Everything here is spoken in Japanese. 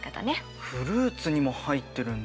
フルーツにも入ってるんだ。